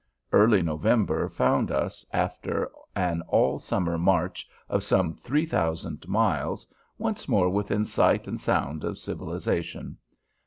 Early November found us, after an all summer march of some three thousand miles, once more within sight and sound of civilization.